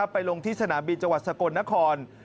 ไปลงที่สนามบินจังหวัดสกลนคร